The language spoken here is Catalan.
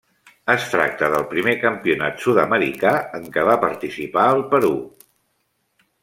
Es tracta del primer Campionat Sud-americà en què va participar el Perú.